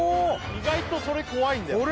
意外とそれ怖いんだよ